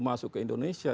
masuk ke indonesia